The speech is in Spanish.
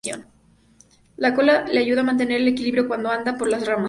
La cola le ayuda a mantener el equilibrio cuando anda por las ramas.